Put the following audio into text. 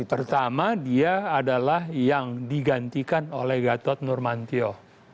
pertama dia adalah yang digantikan oleh gatot nurmantio